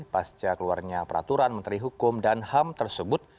pasca keluarnya peraturan menteri hukum dan ham tersebut